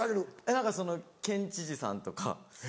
何かその県知事さんとか。